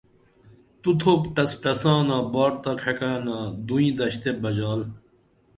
تو تھوپ ٹسٹسانہ باٹ تہ کھکعنہ دوئیں دشتے بژال